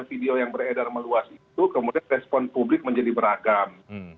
video yang beredar meluas itu kemudian respon publik menjadi beragam